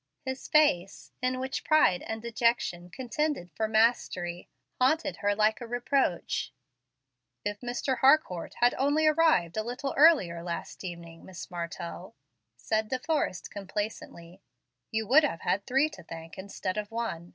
His face, in which pride and dejection contended for mastery, haunted her like a reproach. "If Mr. Harcourt had only arrived a little earlier last evening, Miss Martell," said De Forrest, complacently, "you would have had three to thank instead of one.